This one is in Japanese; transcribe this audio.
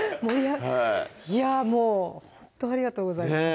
いやぁもうほんとありがとうございます